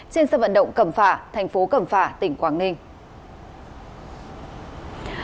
trên sân vận động cẩm phả thành phố cẩm phả tỉnh quảng ninh